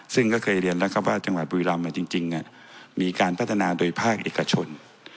ซึ่งก็เคยเรียนแล้วครับว่าจังหวัดบุรีรำจริงมีการพัฒนาโดยภาคเอกชน